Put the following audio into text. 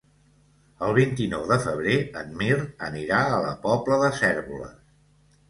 El vint-i-nou de febrer en Mirt anirà a la Pobla de Cérvoles.